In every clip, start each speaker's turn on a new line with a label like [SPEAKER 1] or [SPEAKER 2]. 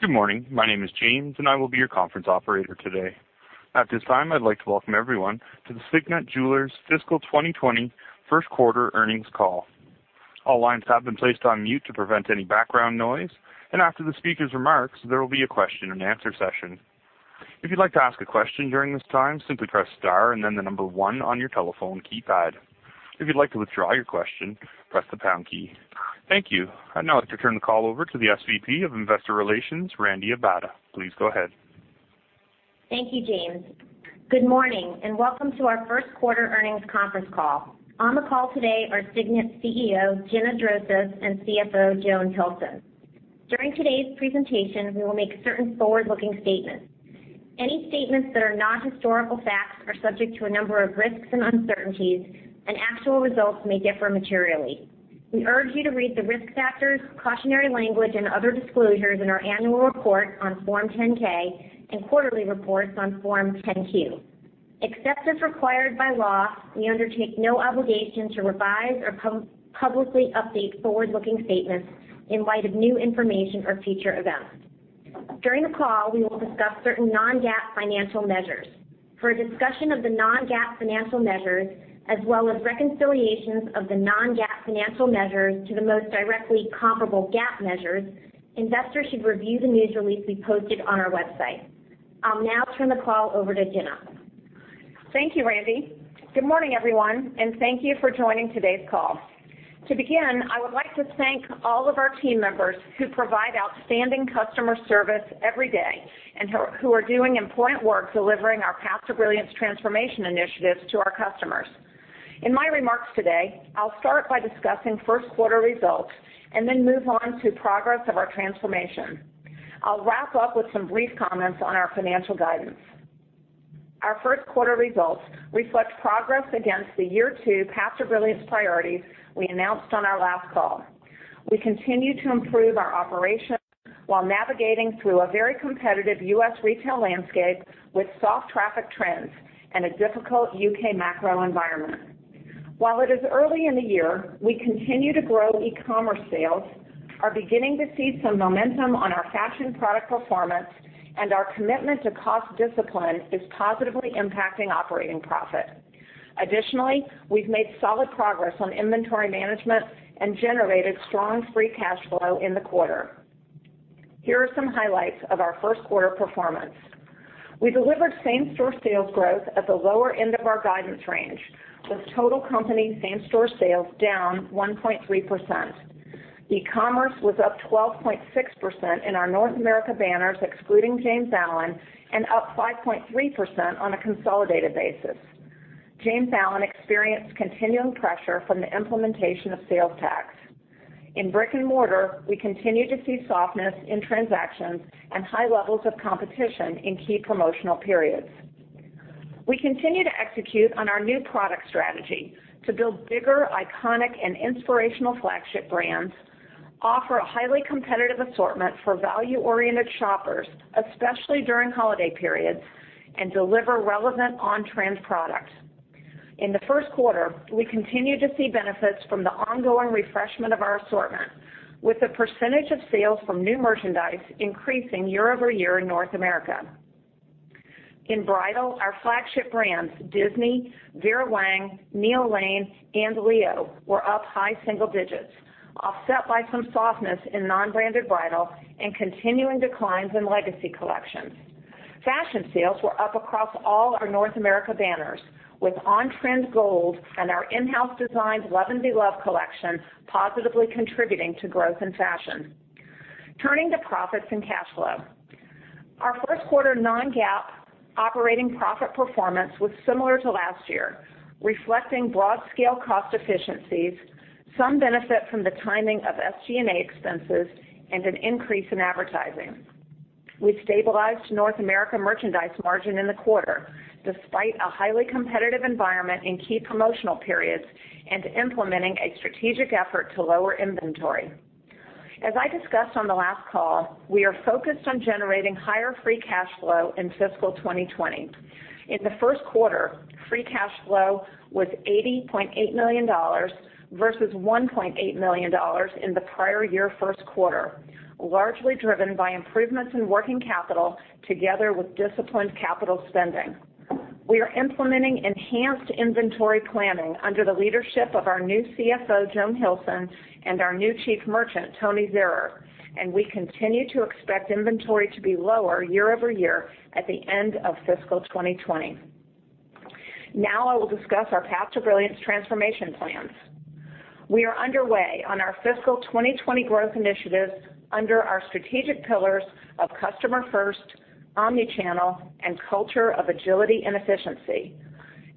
[SPEAKER 1] Good morning. My name is James, and I will be your conference operator today. At this time, I'd like to welcome everyone to the Signet Jewelers Fiscal 2020 First Quarter Earnings Call. All lines have been placed on mute to prevent any background noise, and after the speaker's remarks, there will be a question-and-answer session. If you'd like to ask a question during this time, simply press star and then the number one on your telephone keypad. If you'd like to withdraw your question, press the pound key. Thank you. I'd now like to turn the call over to the SVP of Investor Relations, Randi Abada. Please go ahead.
[SPEAKER 2] Thank you, James. Good morning and welcome to our First Quarter Earnings Conference Call. On the call today are Signet CEO, Gina Drosos, and CFO, Joan Hilson. During today's presentation, we will make certain forward-looking statements. Any statements that are not historical facts are subject to a number of risks and uncertainties, and actual results may differ materially. We urge you to read the risk factors, cautionary language, and other disclosures in our annual report on Form 10-K and quarterly reports on Form 10-Q. Except as required by law, we undertake no obligation to revise or publicly update forward-looking statements in light of new information or future events. During the call, we will discuss certain non-GAAP financial measures. For a discussion of the non-GAAP financial measures, as well as reconciliations of the non-GAAP financial measures to the most directly comparable GAAP measures, investors should review the news release we posted on our website. I'll now turn the call over to Gina.
[SPEAKER 3] Thank you, Randi. Good morning, everyone, and thank you for joining today's call. To begin, I would like to thank all of our team members who provide outstanding customer service every day and who are doing important work delivering our Path to Brilliance transformation initiatives to our customers. In my remarks today, I'll start by discussing first quarter results and then move on to progress of our transformation. I'll wrap up with some brief comments on our financial guidance. Our first quarter results reflect progress against the year two Path to Brilliance priorities we announced on our last call. We continue to improve our operation while navigating through a very competitive U.S. retail landscape with soft traffic trends and a difficult U.K. macro environment. While it is early in the year, we continue to grow e-commerce sales, are beginning to see some momentum on our fashion product performance, and our commitment to cost discipline is positively impacting operating profit. Additionally, we have made solid progress on inventory management and generated strong free cash flow in the quarter. Here are some highlights of our first quarter performance. We delivered same-store sales growth at the lower end of our guidance range, with total company same-store sales down 1.3%. E-commerce was up 12.6% in our North America banners excluding James Allen, and up 5.3% on a consolidated basis. James Allen experienced continuing pressure from the implementation of sales tax. In brick and mortar, we continue to see softness in transactions and high levels of competition in key promotional periods. We continue to execute on our new product strategy to build bigger, iconic, and inspirational flagship brands, offer a highly competitive assortment for value-oriented shoppers, especially during holiday periods, and deliver relevant on-trend products. In the first quarter, we continue to see benefits from the ongoing refreshment of our assortment, with a percentage of sales from new merchandise increasing year over year in North America. In bridal, our flagship brands, Disney, Vera Wang, Neil Lane, and Leo, were up high single digits, offset by some softness in non-branded bridal and continuing declines in legacy collections. Fashion sales were up across all our North America banners, with on-trend gold and our in-house designed Love + Be loved collection positively contributing to growth in fashion. Turning to profits and cash flow, our first quarter non-GAAP operating profit performance was similar to last year, reflecting broad-scale cost efficiencies, some benefit from the timing of SG&A expenses, and an increase in advertising. We stabilized North America merchandise margin in the quarter despite a highly competitive environment in key promotional periods and implementing a strategic effort to lower inventory. As I discussed on the last call, we are focused on generating higher free cash flow in fiscal 2020. In the first quarter, free cash flow was $80.8 million versus $1.8 million in the prior year first quarter, largely driven by improvements in working capital together with disciplined capital spending. We are implementing enhanced inventory planning under the leadership of our new CFO, Joan Hilson, and our new Chief Merchant, Tony Zehrer, and we continue to expect inventory to be lower year over year at the end of fiscal 2020. Now I will discuss our Path to Brilliance transformation plans. We are underway on our fiscal 2020 growth initiatives under our strategic pillars of customer-first, omnichannel, and culture of agility and efficiency.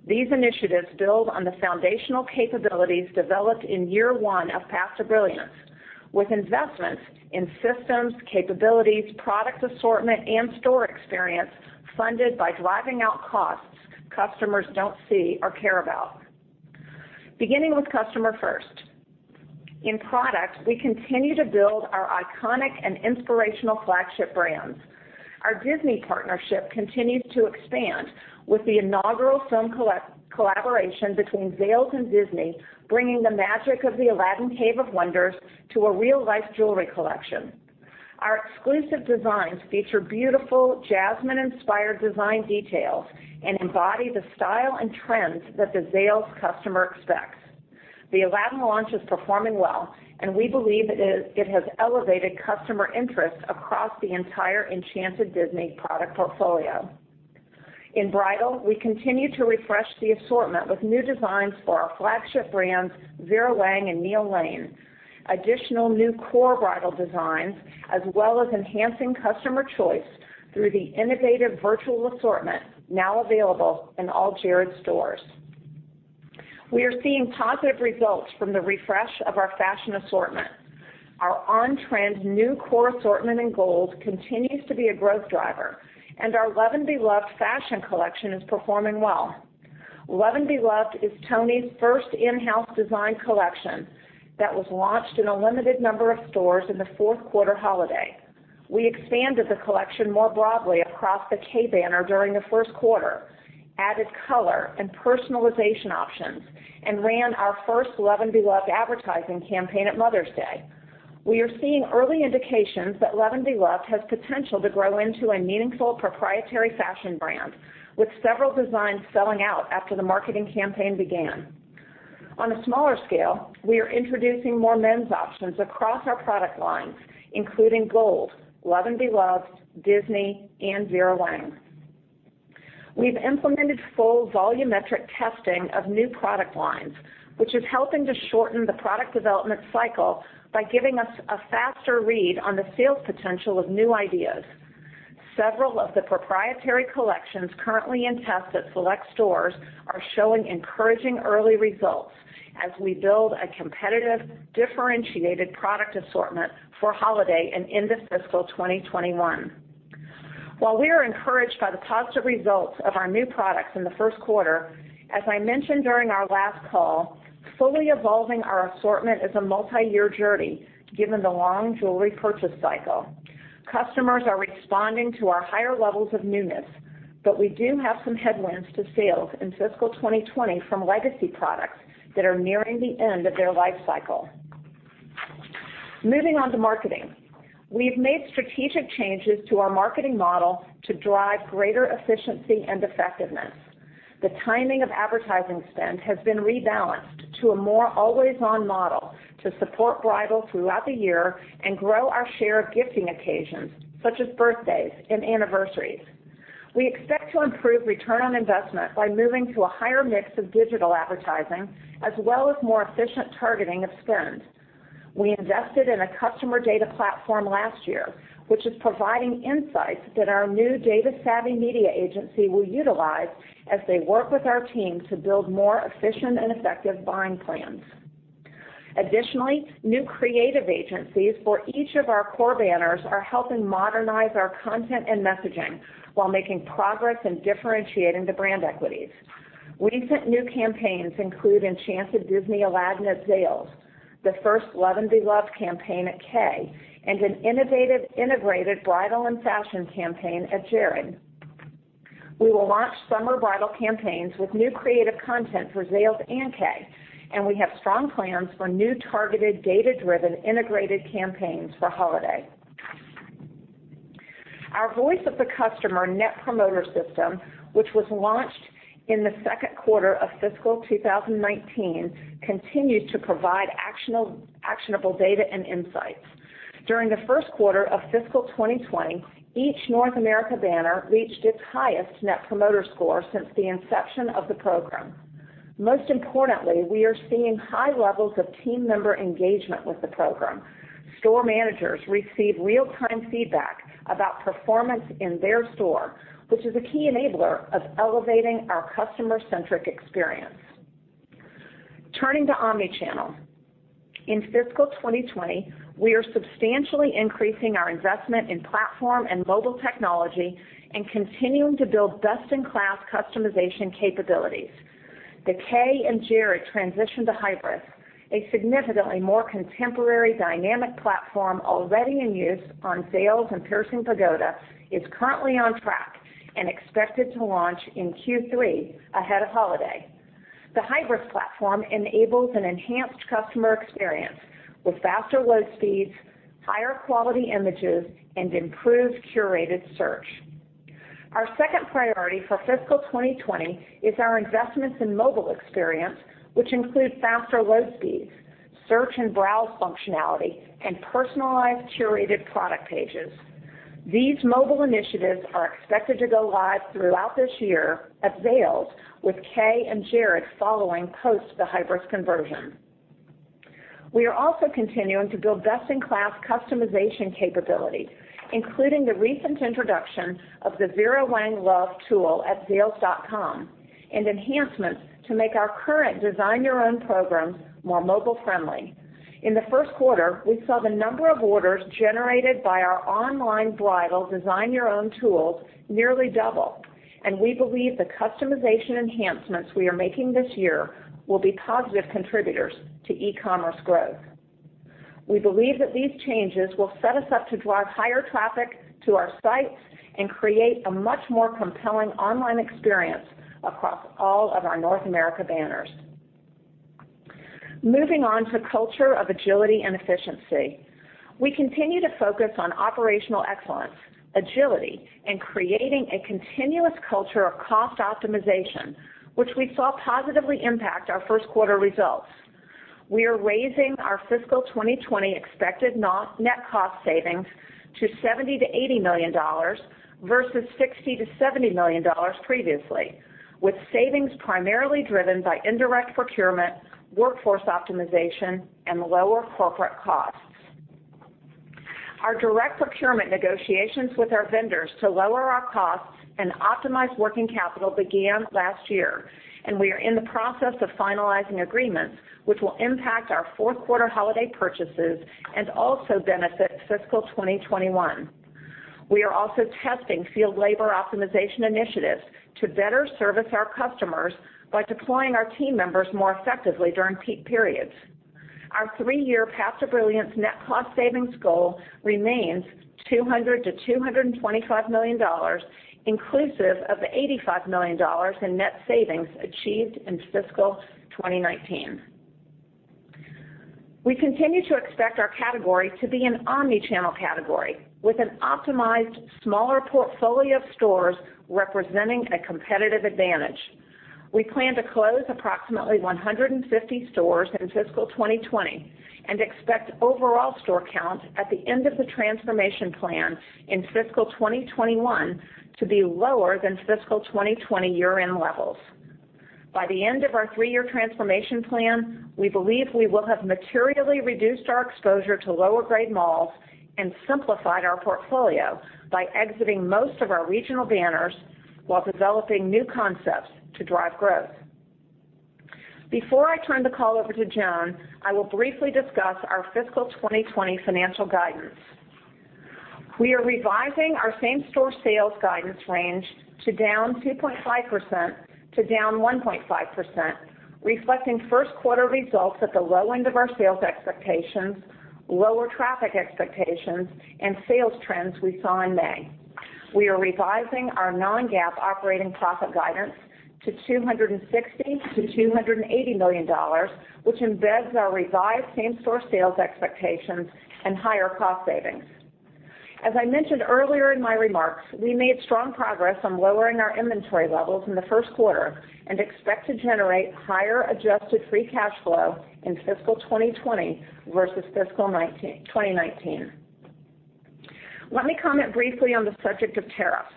[SPEAKER 3] These initiatives build on the foundational capabilities developed in year one of Path to Brilliance, with investments in systems, capabilities, product assortment, and store experience funded by driving out costs customers do not see or care about. Beginning with customer-first. In product, we continue to build our iconic and inspirational flagship brands. Our Disney partnership continues to expand with the inaugural film collaboration between Zales and Disney, bringing the magic of the Aladdin Cave of Wonders to a real-life jewelry collection. Our exclusive designs feature beautiful jasmine-inspired design details and embody the style and trends that the Zales customer expects. The Aladdin launch is performing well, and we believe it has elevated customer interest across the entire Enchanted Disney product portfolio. In bridal, we continue to refresh the assortment with new designs for our flagship brands, Vera Wang and Neil Lane, additional new core bridal designs, as well as enhancing customer choice through the innovative virtual assortment now available in all Jared stores. We are seeing positive results from the refresh of our fashion assortment. Our on-trend new core assortment in gold continues to be a growth driver, and our Love + Be loved fashion collection is performing well. Love + Be loved is Tony's first in-house design collection that was launched in a limited number of stores in the fourth quarter holiday. We expanded the collection more broadly across the Kay banner during the first quarter, added color and personalization options, and ran our first Love + Be loved advertising campaign at Mother's Day. We are seeing early indications that Love + Be loved has potential to grow into a meaningful proprietary fashion brand, with several designs selling out after the marketing campaign began. On a smaller scale, we are introducing more men's options across our product lines, including gold, Love + Be loved, Disney, and Vera Wang. We've implemented full volumetric testing of new product lines, which is helping to shorten the product development cycle by giving us a faster read on the sales potential of new ideas. Several of the proprietary collections currently in test at select stores are showing encouraging early results as we build a competitive, differentiated product assortment for holiday and into fiscal 2021. While we are encouraged by the positive results of our new products in the first quarter, as I mentioned during our last call, fully evolving our assortment is a multi-year journey given the long jewelry purchase cycle. Customers are responding to our higher levels of newness, but we do have some headwinds to sales in fiscal 2020 from legacy products that are nearing the end of their life cycle. Moving on to marketing, we've made strategic changes to our marketing model to drive greater efficiency and effectiveness. The timing of advertising spend has been rebalanced to a more always-on model to support bridal throughout the year and grow our share of gifting occasions such as birthdays and anniversaries. We expect to improve return on investment by moving to a higher mix of digital advertising as well as more efficient targeting of spend. We invested in a customer data platform last year, which is providing insights that our new data-savvy media agency will utilize as they work with our team to build more efficient and effective buying plans. Additionally, new creative agencies for each of our core banners are helping modernize our content and messaging while making progress in differentiating the brand equities. Recent new campaigns include Enchanted Disney Aladdin at Zales, the first Love + Be loved campaign at K, and an innovative integrated bridal and fashion campaign at Jared. We will launch summer bridal campaigns with new creative content for Zales and K, and we have strong plans for new targeted data-driven integrated campaigns for holiday. Our Voice of the Customer Net Promoter System, which was launched in the second quarter of fiscal 2019, continues to provide actionable data and insights. During the first quarter of fiscal 2020, each North America banner reached its highest Net Promoter Score since the inception of the program. Most importantly, we are seeing high levels of team member engagement with the program. Store managers receive real-time feedback about performance in their store, which is a key enabler of elevating our customer-centric experience. Turning to omnichannel, in fiscal 2020, we are substantially increasing our investment in platform and mobile technology and continuing to build best-in-class customization capabilities. The K and Jared transition to Hybris, a significantly more contemporary dynamic platform already in use on Zales and Piercing Pagoda, is currently on track and expected to launch in Q3 ahead of holiday. The Hybris Platform enables an enhanced customer experience with faster load speeds, higher quality images, and improved curated search. Our second priority for fiscal 2020 is our investments in mobile experience, which include faster load speeds, search and browse functionality, and personalized curated product pages. These mobile initiatives are expected to go live throughout this year at Zales, with K and Jared following post the Hybris conversion. We are also continuing to build best-in-class customization capabilities, including the recent introduction of the Vera Wang Love tool at zales.com and enhancements to make our current design-your-own programs more mobile-friendly. In the first quarter, we saw the number of orders generated by our online bridal design-your-own tools nearly double, and we believe the customization enhancements we are making this year will be positive contributors to e-commerce growth. We believe that these changes will set us up to drive higher traffic to our sites and create a much more compelling online experience across all of our North America banners. Moving on to culture of agility and efficiency, we continue to focus on operational excellence, agility, and creating a continuous culture of cost optimization, which we saw positively impact our first quarter results. We are raising our fiscal 2020 expected net cost savings to $70 million-$80 million versus $60 million-$70 million previously, with savings primarily driven by indirect procurement, workforce optimization, and lower corporate costs. Our direct procurement negotiations with our vendors to lower our costs and optimize working capital began last year, and we are in the process of finalizing agreements, which will impact our fourth quarter holiday purchases and also benefit fiscal 2021. We are also testing field labor optimization initiatives to better service our customers by deploying our team members more effectively during peak periods. Our three-year Path to Brilliance net cost savings goal remains $200 million-$225 million, inclusive of the $85 million in net savings achieved in fiscal 2019. We continue to expect our category to be an omnichannel category, with an optimized smaller portfolio of stores representing a competitive advantage. We plan to close approximately 150 stores in fiscal 2020 and expect overall store count at the end of the transformation plan in fiscal 2021 to be lower than fiscal 2020 year-end levels. By the end of our three-year transformation plan, we believe we will have materially reduced our exposure to lower-grade malls and simplified our portfolio by exiting most of our regional banners while developing new concepts to drive growth. Before I turn the call over to Joan, I will briefly discuss our fiscal 2020 financial guidance. We are revising our same-store sales guidance range to down 2.5% to down 1.5%, reflecting first quarter results at the low end of our sales expectations, lower traffic expectations, and sales trends we saw in May. We are revising our non-GAAP operating profit guidance to $260-$280 million, which embeds our revised same-store sales expectations and higher cost savings. As I mentioned earlier in my remarks, we made strong progress on lowering our inventory levels in the first quarter and expect to generate higher adjusted free cash flow in fiscal 2020 versus fiscal 2019. Let me comment briefly on the subject of tariffs.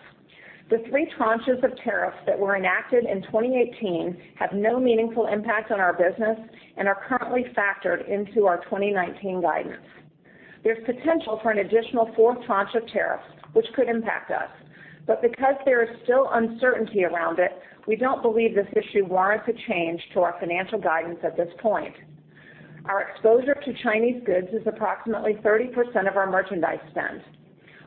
[SPEAKER 3] The three tranches of tariffs that were enacted in 2018 have no meaningful impact on our business and are currently factored into our 2019 guidance. There's potential for an additional fourth tranche of tariffs, which could impact us, but because there is still uncertainty around it, we do not believe this issue warrants a change to our financial guidance at this point. Our exposure to Chinese goods is approximately 30% of our merchandise spend.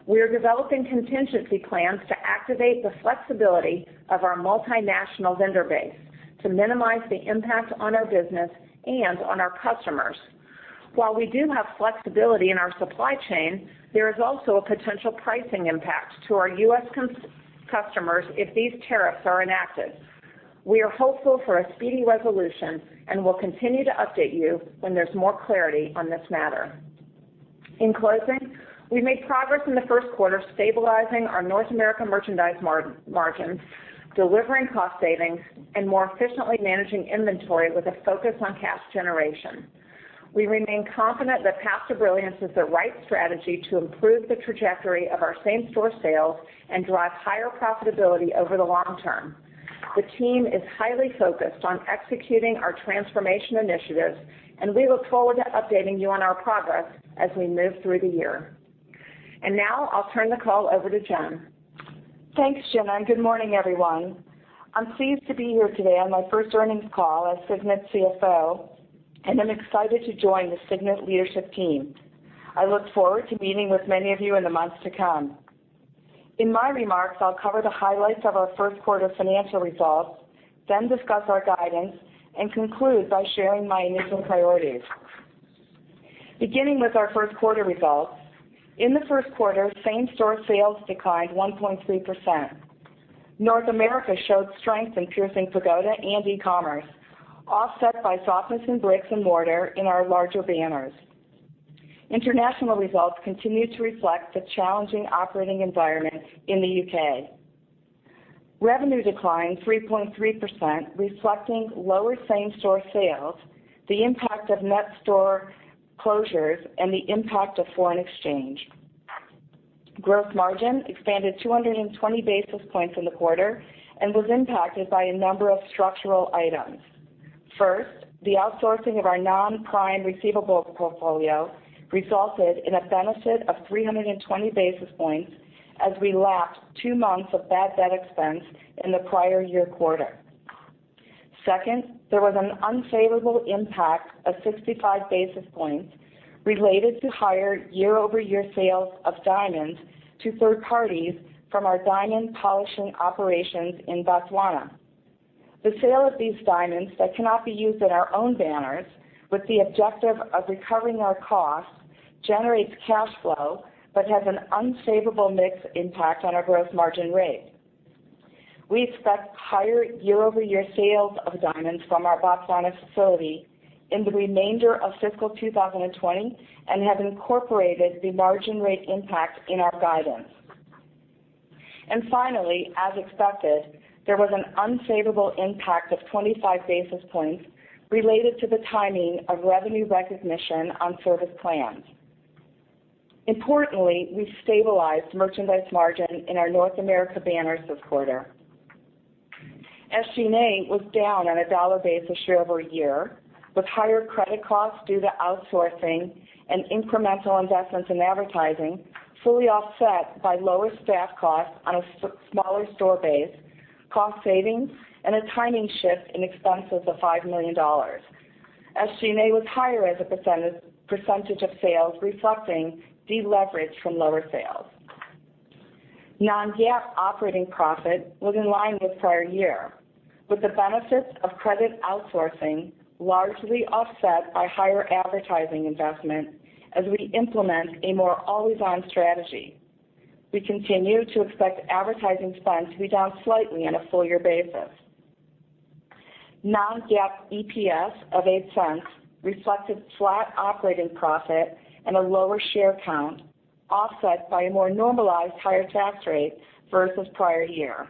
[SPEAKER 3] We are developing contingency plans to activate the flexibility of our multinational vendor base to minimize the impact on our business and on our customers. While we do have flexibility in our supply chain, there is also a potential pricing impact to our U.S. customers if these tariffs are enacted. We are hopeful for a speedy resolution and will continue to update you when there is more clarity on this matter. In closing, we made progress in the first quarter stabilizing our North America merchandise margins, delivering cost savings, and more efficiently managing inventory with a focus on cash generation. We remain confident that Path to Brilliance is the right strategy to improve the trajectory of our same store sales and drive higher profitability over the long term. The team is highly focused on executing our transformation initiatives, and we look forward to updating you on our progress as we move through the year. I will turn the call over to Joan.
[SPEAKER 4] Thanks, Gina. Good morning, everyone. I'm pleased to be here today on my first earnings call as Signet CFO, and I'm excited to join the Signet leadership team. I look forward to meeting with many of you in the months to come. In my remarks, I'll cover the highlights of our first quarter financial results, then discuss our guidance, and conclude by sharing my initial priorities. Beginning with our first quarter results, in the first quarter, same store sales declined 1.3%. North America showed strength in Piercing Pagoda and e-commerce, offset by softness in bricks and mortar in our larger banners. International results continue to reflect the challenging operating environment in the U.K. Revenue declined 3.3%, reflecting lower same-store sales, the impact of net store closures, and the impact of foreign exchange. Gross margin expanded 220 basis points in the quarter and was impacted by a number of structural items. First, the outsourcing of our non-prime receivable portfolio resulted in a benefit of 320 basis points as we lapped two months of bad debt expense in the prior year quarter. Second, there was an unfavorable impact of 65 basis points related to higher year-over-year sales of diamonds to third parties from our diamond polishing operations in Botswana. The sale of these diamonds that cannot be used in our own banners with the objective of recovering our costs generates cash flow but has an unfavorable mixed impact on our gross margin rate. We expect higher year-over-year sales of diamonds from our Botswana facility in the remainder of fiscal 2020 and have incorporated the margin rate impact in our guidance. Finally, as expected, there was an unfavorable impact of 25 basis points related to the timing of revenue recognition on service plans. Importantly, we stabilized merchandise margin in our North America banners this quarter. SG&A was down on a dollar base year over year with higher credit costs due to outsourcing and incremental investments in advertising, fully offset by lower staff costs on a smaller store base, cost savings, and a timing shift in expenses of $5 million. SG&A was higher as a percentage of sales, reflecting deleverage from lower sales. Non-GAAP operating profit was in line with prior year, with the benefits of credit outsourcing largely offset by higher advertising investment as we implement a more always-on strategy. We continue to expect advertising spend to be down slightly on a full-year basis. Non-GAAP EPS of $0.08 reflected flat operating profit and a lower share count, offset by a more normalized higher tax rate versus prior year.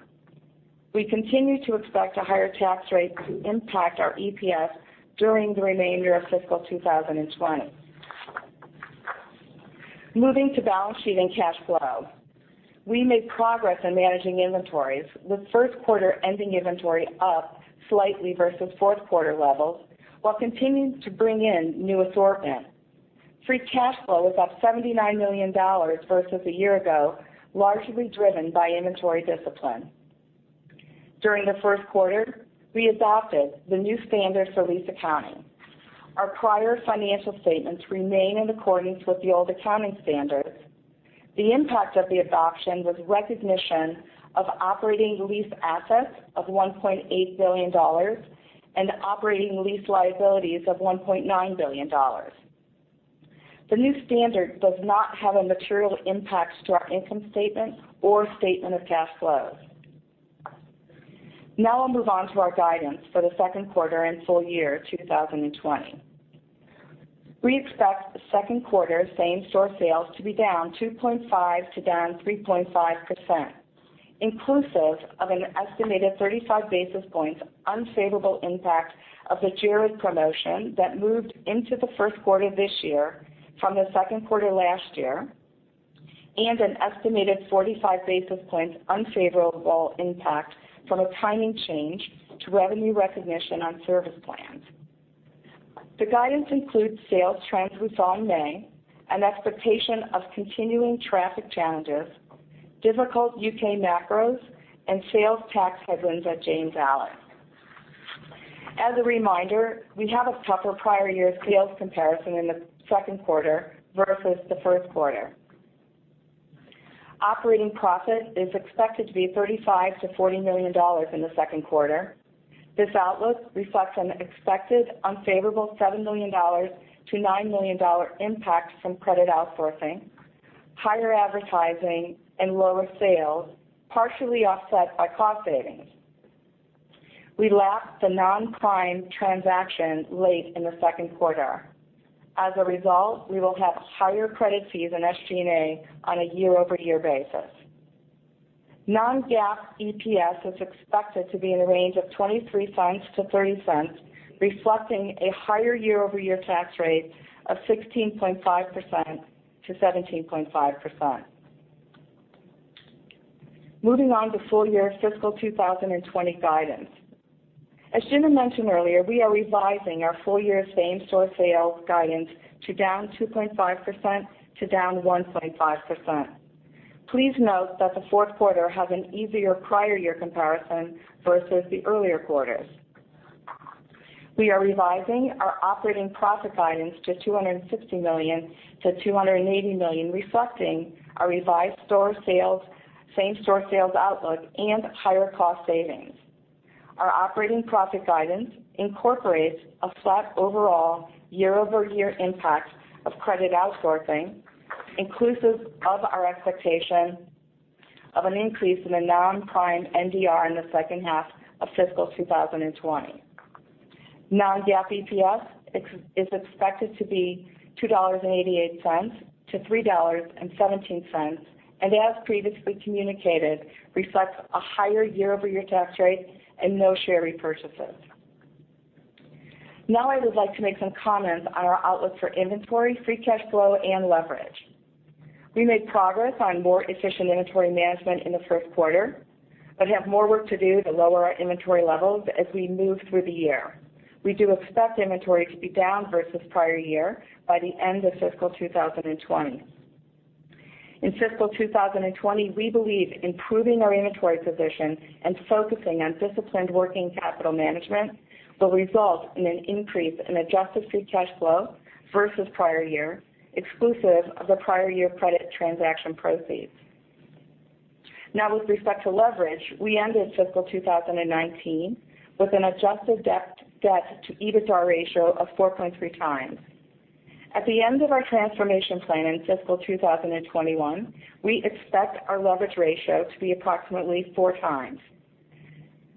[SPEAKER 4] We continue to expect a higher tax rate to impact our EPS during the remainder of fiscal 2020. Moving to balance sheet and cash flow, we made progress in managing inventories, with first quarter ending inventory up slightly versus fourth quarter levels while continuing to bring in new assortment. Free cash flow was up $79 million versus a year ago, largely driven by inventory discipline. During the first quarter, we adopted the new standards for lease accounting. Our prior financial statements remain in accordance with the old accounting standards. The impact of the adoption was recognition of operating lease assets of $1.8 billion and operating lease liabilities of $1.9 billion. The new standard does not have a material impact to our income statement or statement of cash flows. Now I'll move on to our guidance for the second quarter and full year 2020. We expect second quarter same store sales to be down 2.5%-3.5%, inclusive of an estimated 35 basis points unfavorable impact of the Jared promotion that moved into the first quarter this year from the second quarter last year, and an estimated 45 basis points unfavorable impact from a timing change to revenue recognition on service plans. The guidance includes sales trends we saw in May, an expectation of continuing traffic challenges, difficult U.K. macros, and sales tax headwinds at James Allen. As a reminder, we have a tougher prior year sales comparison in the second quarter versus the first quarter. Operating profit is expected to be $35-$40 million in the second quarter. This outlook reflects an expected unfavorable $7 million-$9 million impact from credit outsourcing, higher advertising, and lower sales, partially offset by cost savings. We lapped the non-prime transaction late in the second quarter. As a result, we will have higher credit fees in SG&A on a year-over-year basis. Non-GAAP EPS is expected to be in the range of $0.23-$0.30, reflecting a higher year-over-year tax rate of 16.5%-17.5%. Moving on to full year fiscal 2020 guidance. As Gina mentioned earlier, we are revising our full year same-store sales guidance to down 2.5% to down 1.5%. Please note that the fourth quarter has an easier prior year comparison versus the earlier quarters. We are revising our operating profit guidance to $260 million-$280 million, reflecting our revised store sales, same-store sales outlook, and higher cost savings. Our operating profit guidance incorporates a flat overall year-over-year impact of credit outsourcing, inclusive of our expectation of an increase in the non-prime NDR in the second half of fiscal 2020. Non-GAAP EPS is expected to be $2.88-$3.17, and as previously communicated, reflects a higher year-over-year tax rate and no share repurchases. Now I would like to make some comments on our outlook for inventory, free cash flow, and leverage. We made progress on more efficient inventory management in the first quarter, but have more work to do to lower our inventory levels as we move through the year. We do expect inventory to be down versus prior year by the end of fiscal 2020. In fiscal 2020, we believe improving our inventory position and focusing on disciplined working capital management will result in an increase in adjusted free cash flow versus prior year, exclusive of the prior year credit transaction proceeds. Now, with respect to leverage, we ended fiscal 2019 with an adjusted debt to EBITDA ratio of 4.3 times. At the end of our transformation plan in fiscal 2021, we expect our leverage ratio to be approximately four times.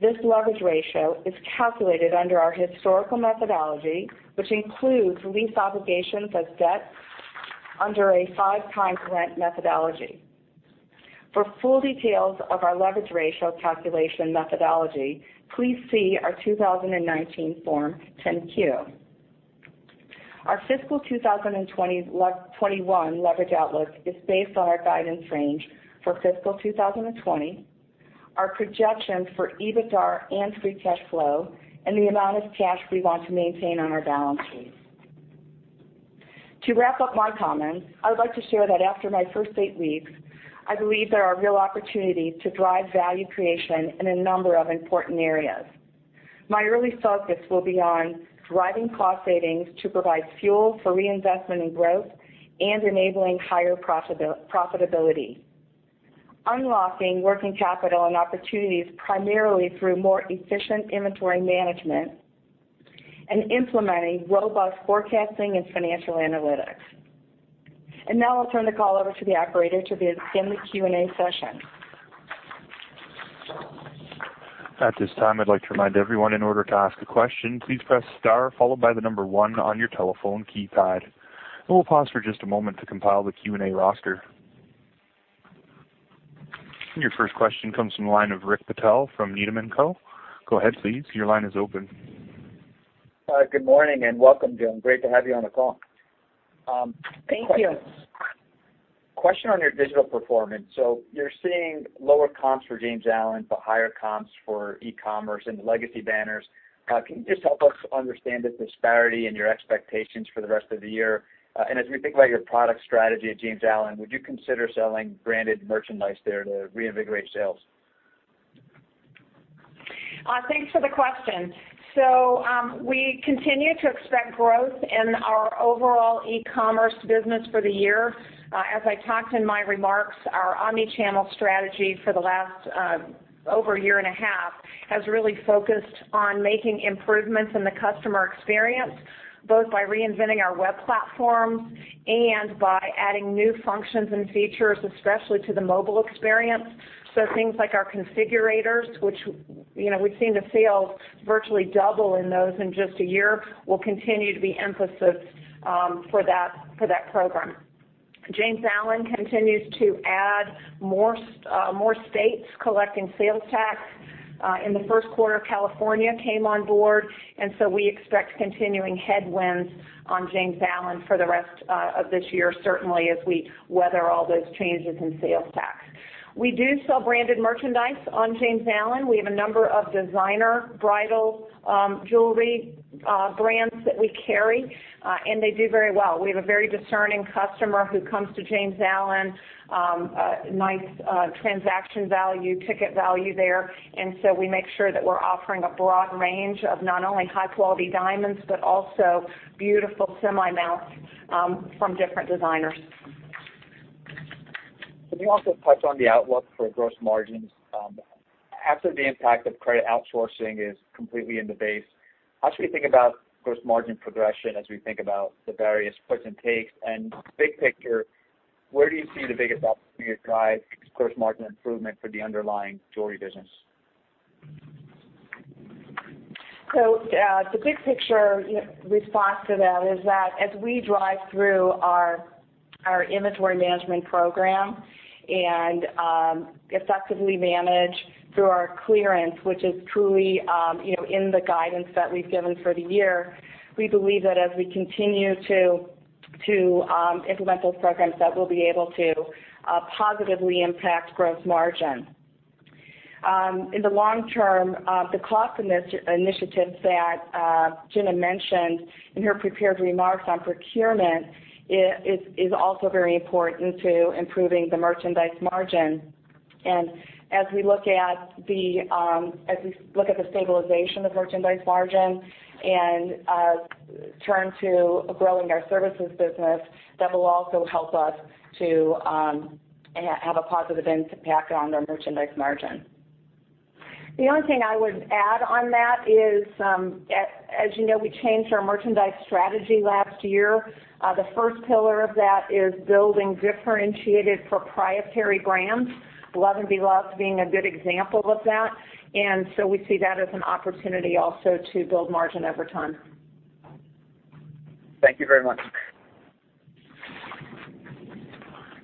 [SPEAKER 4] This leverage ratio is calculated under our historical methodology, which includes lease obligations as debt under a five-time rent methodology. For full details of our leverage ratio calculation methodology, please see our 2019 Form 10-Q. Our fiscal 2021 leverage outlook is based on our guidance range for fiscal 2020, our projections for EBITDA and free cash flow, and the amount of cash we want to maintain on our balance sheet. To wrap up my comments, I would like to share that after my first eight weeks, I believe there are real opportunities to drive value creation in a number of important areas. My early focus will be on driving cost savings to provide fuel for reinvestment and growth and enabling higher profitability, unlocking working capital and opportunities primarily through more efficient inventory management and implementing robust forecasting and financial analytics. Now I will turn the call over to the operator to begin the Q&A session.
[SPEAKER 1] At this time, I'd like to remind everyone in order to ask a question, please press star followed by the number one on your telephone keypad. We'll pause for just a moment to compile the Q&A roster. Your first question comes from the line of Rick Patel from Needham & Co. Go ahead, please. Your line is open.
[SPEAKER 5] Good morning and welcome, Gina. Great to have you on the call.
[SPEAKER 3] Thank you.
[SPEAKER 5] Question on your digital performance. You're seeing lower comps for James Allen, but higher comps for e-commerce and the legacy banners. Can you just help us understand the disparity in your expectations for the rest of the year? As we think about your product strategy at James Allen, would you consider selling branded merchandise there to reinvigorate sales?
[SPEAKER 3] Thanks for the question. We continue to expect growth in our overall e-commerce business for the year. As I talked in my remarks, our omnichannel strategy for the last over a year and a half has really focused on making improvements in the customer experience, both by reinventing our web platforms and by adding new functions and features, especially to the mobile experience. Things like our configurators, which we have seen the sales virtually double in just a year, will continue to be emphasis for that program. James Allen continues to add more states collecting sales tax. In the first quarter, California came on board, and we expect continuing headwinds on James Allen for the rest of this year, certainly as we weather all those changes in sales tax. We do sell branded merchandise on James Allen. We have a number of designer bridal jewelry brands that we carry, and they do very well. We have a very discerning customer who comes to James Allen, nice transaction value, ticket value there. We make sure that we're offering a broad range of not only high-quality diamonds, but also beautiful semi-mounts from different designers.
[SPEAKER 5] Can you also touch on the outlook for gross margins? After the impact of credit outsourcing is completely in the base, how should we think about gross margin progression as we think about the various puts and takes? Big picture, where do you see the biggest opportunity to drive gross margin improvement for the underlying jewelry business?
[SPEAKER 4] The big picture response to that is that as we drive through our inventory management program and effectively manage through our clearance, which is truly in the guidance that we've given for the year, we believe that as we continue to implement those programs, that we'll be able to positively impact gross margin. In the long term, the cost initiatives that Gina mentioned in her prepared remarks on procurement is also very important to improving the merchandise margin. As we look at the stabilization of merchandise margin and turn to growing our services business, that will also help us to have a positive impact on our merchandise margin. The only thing I would add on that is, as you know, we changed our merchandise strategy last year. The first pillar of that is building differentiated proprietary brands, Love + Be loved being a good example of that. We see that as an opportunity also to build margin over time.
[SPEAKER 5] Thank you very much.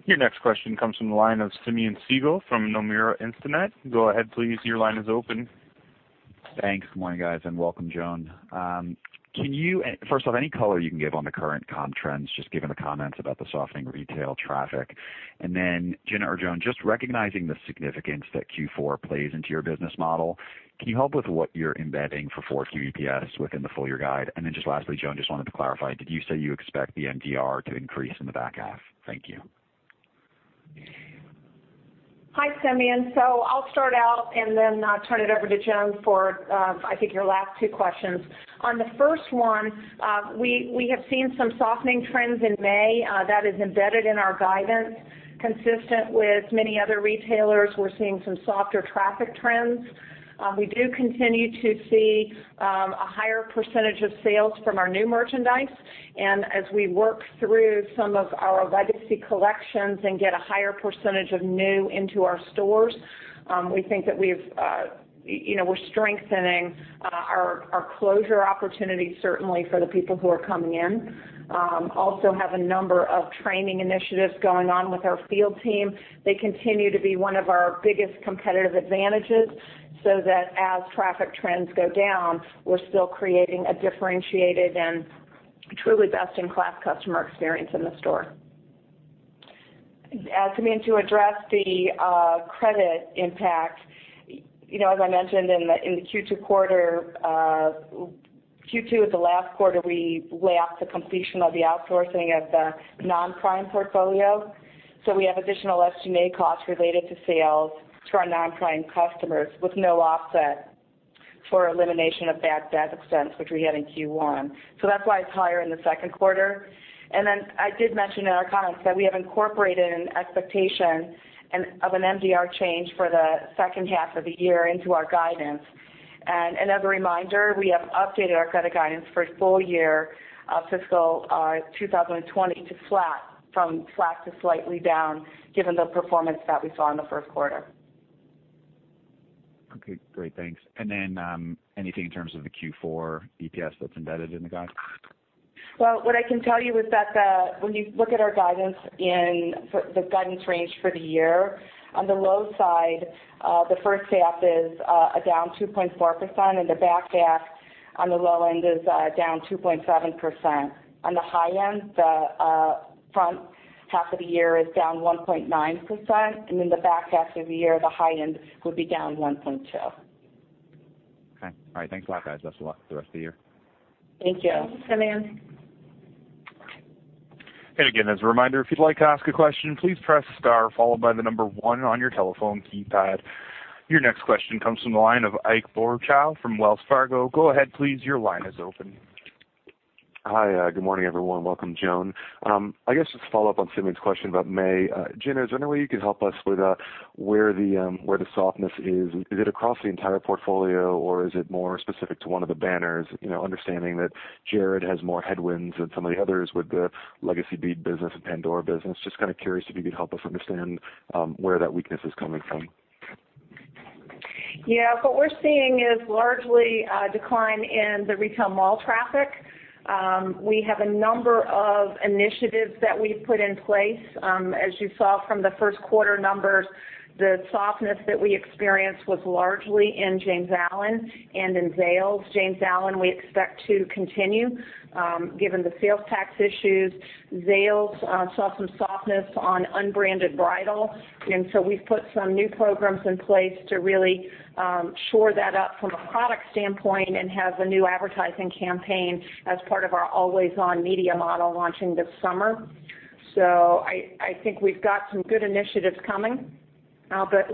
[SPEAKER 1] Your next question comes from the line of Simeon Siegel from Nomura Instinet. Go ahead, please. Your line is open.
[SPEAKER 6] Thanks. Good morning, guys, and welcome, Joan. Can you, first off, any color you can give on the current comp trends, just given the comments about the softening retail traffic? Jena or Joan, just recognizing the significance that Q4 plays into your business model, can you help with what you're embedding for Q4 EPS within the full year guide? Lastly, Joan, just wanted to clarify, did you say you expect the NDR to increase in the back half? Thank you.
[SPEAKER 3] Hi, Simeon. I'll start out and then turn it over to Joan for, I think, your last two questions. On the first one, we have seen some softening trends in May. That is embedded in our guidance, consistent with many other retailers. We're seeing some softer traffic trends. We do continue to see a higher percentage of sales from our new merchandise. As we work through some of our legacy collections and get a higher percentage of new into our stores, we think that we're strengthening our closure opportunities, certainly for the people who are coming in. We also have a number of training initiatives going on with our field team. They continue to be one of our biggest competitive advantages so that as traffic trends go down, we're still creating a differentiated and truly best-in-class customer experience in the store.
[SPEAKER 4] Simeon, to address the credit impact, as I mentioned in the Q2 quarter, Q2 is the last quarter we lapped the completion of the outsourcing of the non-prime portfolio. We have additional SG&A costs related to sales to our non-prime customers with no offset for elimination of bad debt expense, which we had in Q1. That is why it is higher in the second quarter. I did mention in our comments that we have incorporated an expectation of an NDR change for the second half of the year into our guidance. As a reminder, we have updated our credit guidance for full year fiscal 2020 to flat, from flat to slightly down, given the performance that we saw in the first quarter.
[SPEAKER 6] Okay. Great. Thanks. Anything in terms of the Q4 EPS that is embedded in the guide?
[SPEAKER 4] What I can tell you is that when you look at our guidance in the guidance range for the year, on the low side, the first half is down 2.4%. The back half on the low end is down 2.7%. On the high end, the front half of the year is down 1.9%. The back half of the year, the high end would be down 1.2%. Okay. All right. Thanks a lot, guys. Best of luck for the rest of the year. Thank you.
[SPEAKER 1] Thanks, Simeon. Again, as a reminder, if you'd like to ask a question, please press star followed by the number one on your telephone keypad. Your next question comes from the line of Ike Boruchow from Wells Fargo. Go ahead, please. Your line is open.
[SPEAKER 7] Hi. Good morning, everyone. Welcome, Joan. I guess just to follow up on Simeon's question about May, Gina, is there any way you can help us with where the softness is? Is it across the entire portfolio, or is it more specific to one of the banners? Understanding that Jared has more headwinds than some of the others with the legacy bead business and Pandora business. Just kind of curious if you could help us understand where that weakness is coming from.
[SPEAKER 3] Yeah. What we're seeing is largely a decline in the retail mall traffic. We have a number of initiatives that we've put in place. As you saw from the first quarter numbers, the softness that we experienced was largely in James Allen and in Zales. James Allen, we expect to continue given the sales tax issues. Zales saw some softness on unbranded bridal. We have put some new programs in place to really shore that up from a product standpoint and have a new advertising campaign as part of our always-on media model launching this summer. I think we have some good initiatives coming.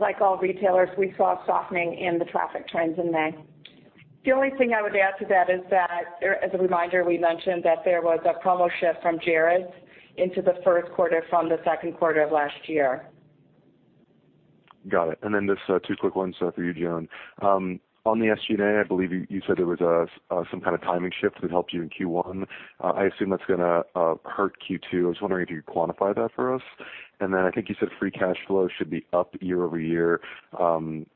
[SPEAKER 3] Like all retailers, we saw softening in the traffic trends in May. The only thing I would add to that is that, as a reminder, we mentioned that there was a promo shift from Jared's into the first quarter from the second quarter of last year.
[SPEAKER 7] Got it. And then just two quick ones for you, Joan. On the SG&A, I believe you said there was some kind of timing shift that helped you in Q1. I assume that is going to hurt Q2. I was wondering if you could quantify that for us. I think you said free cash flow should be up year over year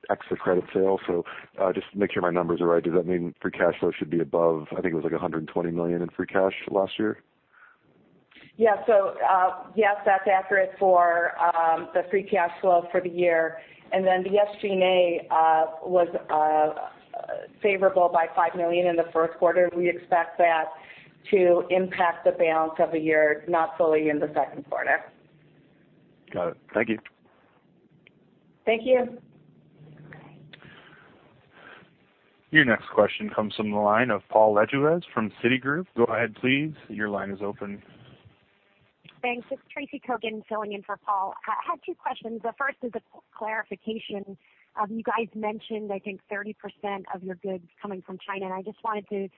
[SPEAKER 7] exit credit sales. Just to make sure my numbers are right, does that mean free cash flow should be above, I think it was like $120 million in free cash last year.
[SPEAKER 4] Yeah. Yes, that's accurate for the free cash flow for the year. The SG&A was favorable by $5 million in the first quarter. We expect that to impact the balance of the year, not fully in the second quarter.
[SPEAKER 7] Got it. Thank you.
[SPEAKER 1] Thank you. Your next question comes from the line of Paul Lejuez from Citigroup. Go ahead, please. Your line is open.
[SPEAKER 8] Thanks. This is Tracy Kogan filling in for Paul. I had two questions. The first is a clarification. You guys mentioned, I think, 30% of your goods coming from China. I just wanted to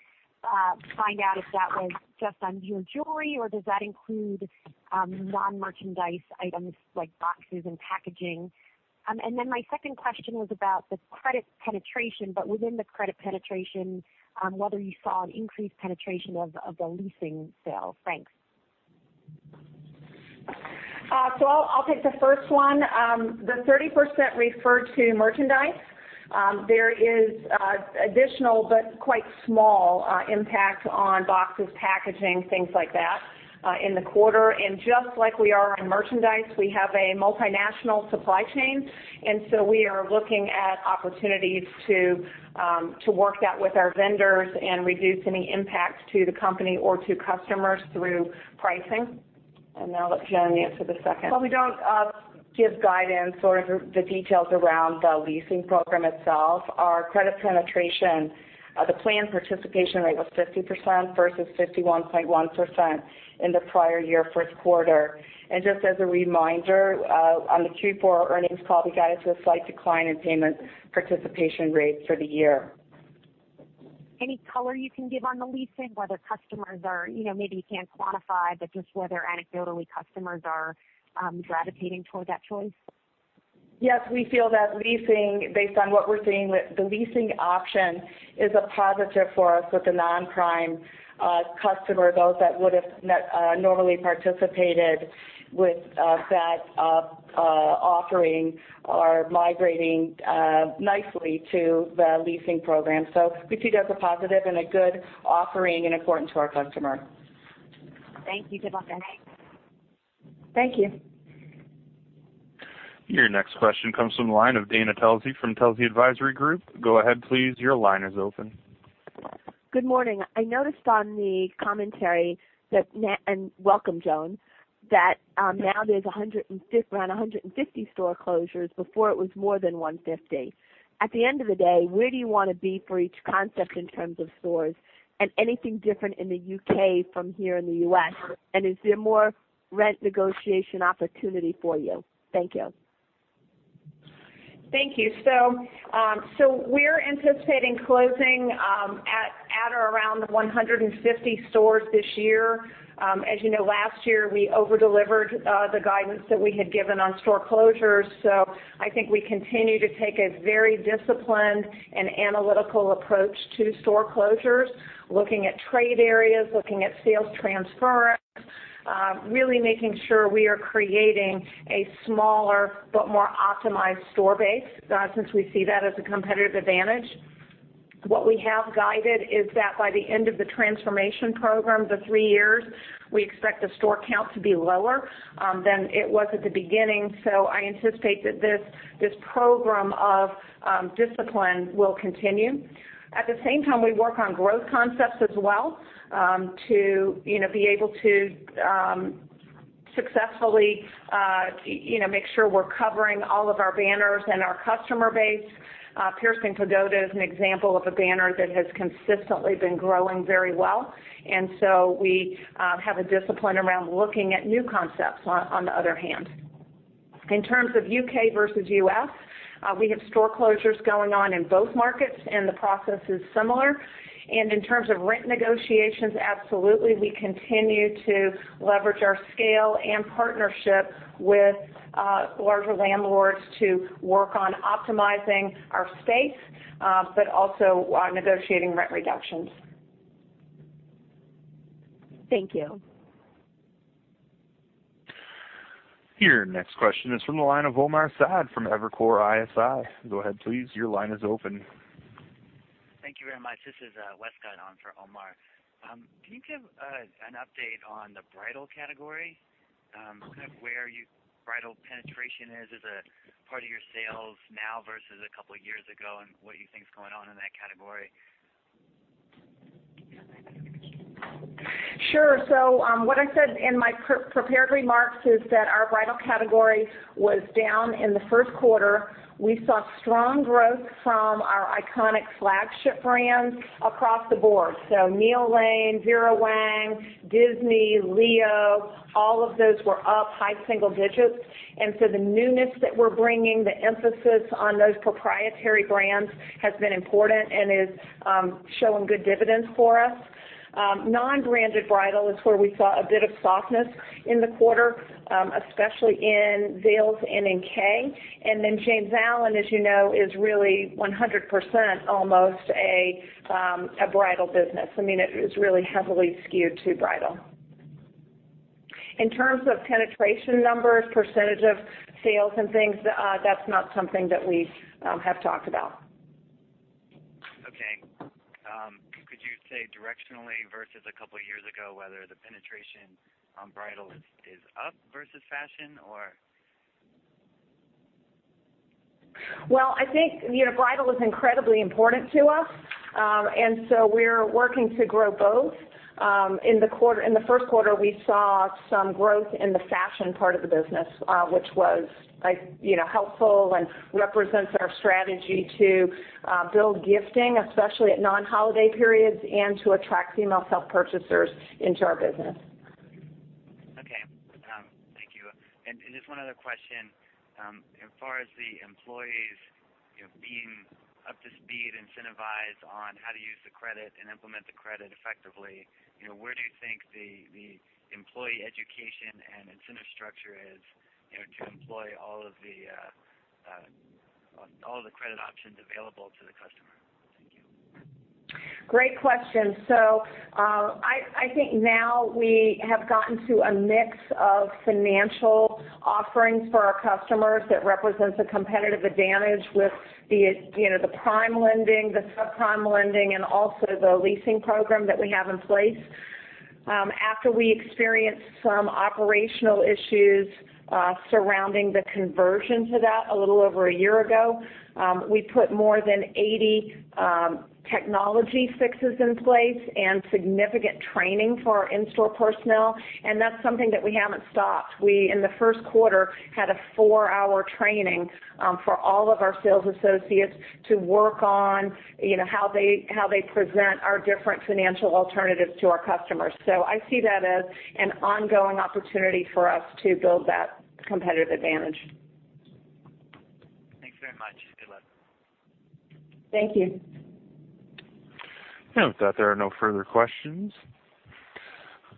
[SPEAKER 8] find out if that was just on your jewelry or does that include non-merchandise items like boxes and packaging. My second question was about the credit penetration, but within the credit penetration, whether you saw an increased penetration of the leasing sales. Thanks.
[SPEAKER 3] I'll take the first one. The 30% referred to merchandise. There is additional but quite small impact on boxes, packaging, things like that in the quarter. Just like we are on merchandise, we have a multinational supply chain. We are looking at opportunities to work that with our vendors and reduce any impact to the company or to customers through pricing. Now let Joan answer the second.
[SPEAKER 4] We do not give guidance or the details around the leasing program itself. Our credit penetration, the planned participation rate was 50% versus 51.1% in the prior year first quarter. Just as a reminder, on the Q4 earnings call, we got into a slight decline in payment participation rate for the year.
[SPEAKER 8] Any color you can give on the leasing, whether customers are, maybe you can't quantify, but just whether anecdotally customers are gravitating toward that choice?
[SPEAKER 4] Yes. We feel that leasing, based on what we're seeing, the leasing option is a positive for us with the non-prime customer. Those that would have normally participated with that offering are migrating nicely to the leasing program. We see it as a positive and a good offering and important to our customer.
[SPEAKER 8] Thank you. Good luck.
[SPEAKER 4] Thank you.
[SPEAKER 1] Your next question comes from the line of Dana Telsey from Telsey Advisory Group. Go ahead, please. Your line is open. Good morning. I noticed on the commentary that and welcome, Joan, that now there's around 150 store closures. Before, it was more than 150. At the end of the day, where do you want to be for each concept in terms of stores? Anything different in the U.K. from here in the U.S.? Is there more rent negotiation opportunity for you? Thank you.
[SPEAKER 4] Thank you. We are anticipating closing at or around 150 stores this year. As you know, last year, we overdelivered the guidance that we had given on store closures. I think we continue to take a very disciplined and analytical approach to store closures, looking at trade areas, looking at sales transference, really making sure we are creating a smaller but more optimized store base since we see that as a competitive advantage. What we have guided is that by the end of the transformation program, the three years, we expect the store count to be lower than it was at the beginning. I anticipate that this program of discipline will continue. At the same time, we work on growth concepts as well to be able to successfully make sure we're covering all of our banners and our customer base. Piercing Pagoda is an example of a banner that has consistently been growing very well. We have a discipline around looking at new concepts on the other hand. In terms of U.K. versus U.S., we have store closures going on in both markets, and the process is similar. In terms of rent negotiations, absolutely, we continue to leverage our scale and partnership with larger landlords to work on optimizing our space, but also negotiating rent reductions.
[SPEAKER 9] Thank you.
[SPEAKER 1] Here, next question is from Omar Saad from Evercore ISI. Your line is open. Please go ahead.
[SPEAKER 10] Thank you very much. This is Wes Guidon for Omar. Can you give an update on the bridal category? Kind of where your bridal penetration is, is it part of your sales now versus a couple of years ago and what you think's going on in that category?
[SPEAKER 3] Sure. What I said in my prepared remarks is that our bridal category was down in the first quarter. We saw strong growth from our iconic flagship brands across the board. Neil Lane, Vera Wang, Disney, Leo, all of those were up, high single digits. The newness that we're bringing, the emphasis on those proprietary brands has been important and is showing good dividends for us. Non-branded bridal is where we saw a bit of softness in the quarter, especially in Zales and in K. And then James Allen, as you know, is really 100% almost a bridal business. I mean, it is really heavily skewed to bridal. In terms of penetration numbers, percentage of sales and things, that's not something that we have talked about. Okay. Could you say directionally versus a couple of years ago whether the penetration on bridal is up versus fashion, or? I think bridal is incredibly important to us. And so we're working to grow both. In the first quarter, we saw some growth in the fashion part of the business, which was helpful and represents our strategy to build gifting, especially at non-holiday periods, and to attract female self-purchasers into our business.
[SPEAKER 10] Okay. Thank you. And just one other question. As far as the employees being up to speed, incentivized on how to use the credit and implement the credit effectively, where do you think the employee education and incentive structure is to employ all of the credit options available to the customer? Thank you.
[SPEAKER 3] Great question. I think now we have gotten to a mix of financial offerings for our customers that represents a competitive advantage with the prime lending, the subprime lending, and also the leasing program that we have in place. After we experienced some operational issues surrounding the conversion to that a little over a year ago, we put more than 80 technology fixes in place and significant training for our in-store personnel. That is something that we have not stopped. We, in the first quarter, had a four-hour training for all of our sales associates to work on how they present our different financial alternatives to our customers. I see that as an ongoing opportunity for us to build that competitive advantage.
[SPEAKER 10] Thanks very much. Good luck.
[SPEAKER 3] Thank you.
[SPEAKER 1] With that, there are no further questions.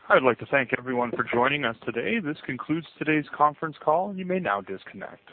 [SPEAKER 1] I would like to thank everyone for joining us today. This concludes today's conference call. You may now disconnect.